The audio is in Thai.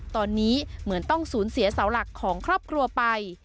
ตอนนี้เหมือนต้องสูญเสียเสาหลักของครอบครัวไป